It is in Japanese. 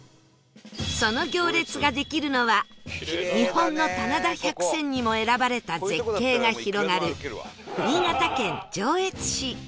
その行列ができるのは日本の棚田百選にも選ばれた絶景が広がる新潟県上越市